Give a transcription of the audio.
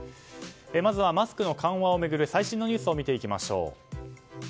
まずはマスクの緩和を巡る最新のニュースを見ていきましょう。